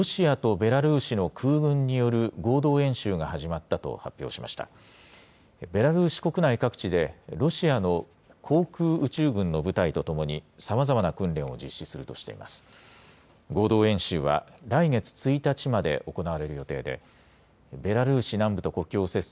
ベラルーシ国内各地で、ロシアの航空宇宙軍の部隊とともに、さまざまな訓練を実施するとしています。